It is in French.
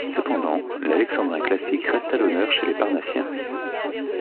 Cependant, l'alexandrin classique reste à l'honneur chez les Parnassiens.